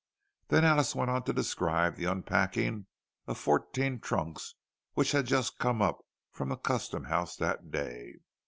Then Alice went on to describe the unpacking of fourteen trunks, which had just come up from the custom house that day.